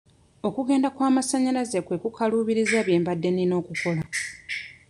Okugenda kw'amasannyalaze kwe kukalubizza bye mbadde nina okukola.